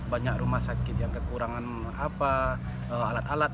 banyak rumah sakit yang kekurangan alat alat